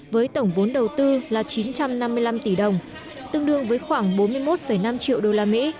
với tổng vốn đầu tư là chín trăm năm mươi năm tỷ đồng tương đương với khoảng bốn mươi một năm triệu usd